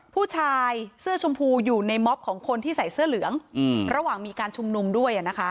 ผู้ชายเสื้อชมพูอยู่ในม็อบของคนที่ใส่เสื้อเหลืองระหว่างมีการชุมนุมด้วยนะคะ